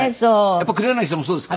やっぱり黒柳さんもそうですか？